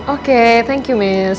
oke terima kasih miss